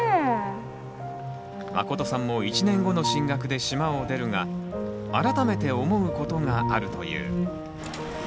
まことさんも１年後の進学で島を出るが改めて思うことがあるという。